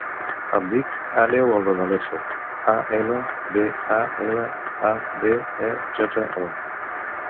Em dic Aneu Albaladejo: a, ela, be, a, ela, a, de, e, jota, o.